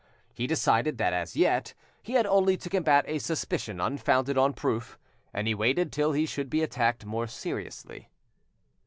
He decided that as yet he had only to combat a suspicion unfounded on proof, and he waited till he should be attacked more seriously.